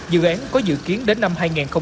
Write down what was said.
dự án có dự kiến đến năm hai nghìn hai mươi